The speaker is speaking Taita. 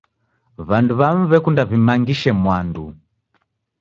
W'andu w'amu w'ekunda w'imangishe mwandu.